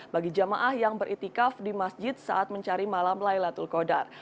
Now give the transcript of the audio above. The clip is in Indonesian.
bagi jamaah yang beritikaf di masjid saat mencari malam laylatul qadar